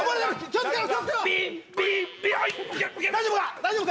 大丈夫か？